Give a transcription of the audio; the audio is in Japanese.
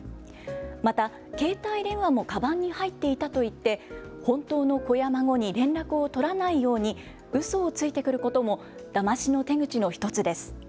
また、携帯電話もかばんに入っていたと言って本当の子や孫に連絡を取らないようにうそをついてくることもだましの手口の１つです。